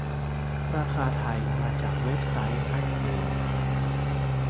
ราคาไทย มาจากเว็บไซค์แมคเอง